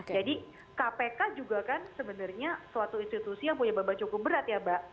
jadi kpk juga kan sebenarnya suatu institusi yang punya babak cukup berat ya mbak